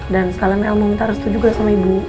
dan sekalian el mau minta restu juga sama ibu